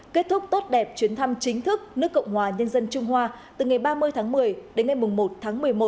kết thúc tốt đẹp chuyến thăm chính thức nước cộng hòa nhân dân trung hoa từ ngày ba mươi tháng một mươi đến ngày một tháng một mươi một